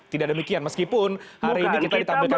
tidak demikian meskipun hari ini kita ditampilkan kepada publik